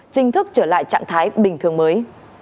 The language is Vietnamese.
chính thức trở lại trạng thái bình thường mới